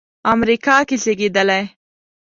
امریکا کې زېږېدلی.